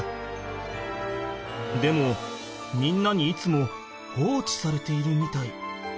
でもみんなにいつも放置されているみたい。